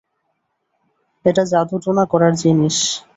এটা জাদুটোনা করার জিনিস।